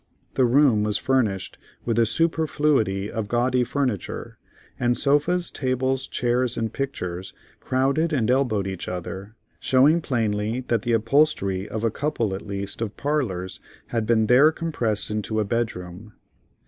The room was furnished with a superfluity of gaudy furniture; and sofas, tables, chairs and pictures, crowded and elbowed each other, showing plainly that the upholstery of a couple, at least, of parlors had been there compressed into a bedroom.